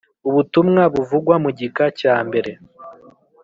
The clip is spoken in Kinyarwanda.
Ubutumwa buvugwa mu gika cya mbere